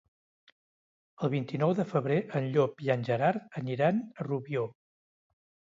El vint-i-nou de febrer en Llop i en Gerard aniran a Rubió.